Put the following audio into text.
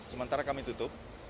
sementara kami tutup